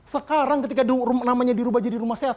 sekarang ketika namanya dirubah jadi rumah sehat